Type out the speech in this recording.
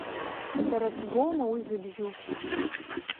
Сара сгәоума уи зыбжьу?